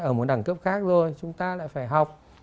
ở một đẳng cấp khác rồi chúng ta lại phải học